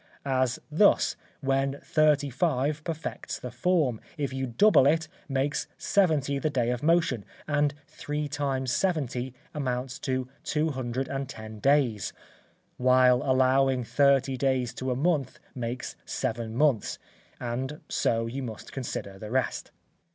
As thus, when thirty five perfects the form, if you double it, makes seventy the day of motion; and three times seventy amounts to two hundred and ten days; while allowing thirty days to a month makes seven months, and so you must consider the rest.